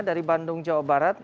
dari bandung jawa barat